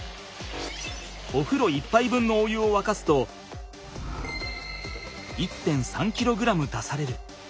おふろ１ぱい分のお湯をわかすと１．３ｋｇ出される。